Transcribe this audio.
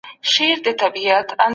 خپل ورېښتان په وخت ومینځئ.